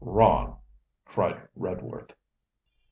'Wrong!' cried Redworth.